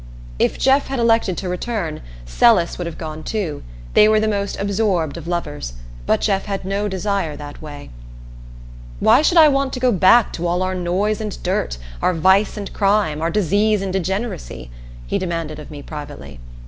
If Jeff had elected to return, Celis would have gone too they were the most absorbed of lovers; but Jeff had no desire that way. "Why should I want to go back to all our noise and dirt, our vice and crime, our disease and degeneracy?" he demanded of me privately.